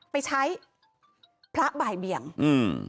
ไปใช้พระบ่ายเบี่ยงอืม